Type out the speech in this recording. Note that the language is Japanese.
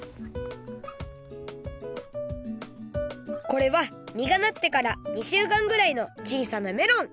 これはみがなってから２しゅうかんぐらいの小さなメロン！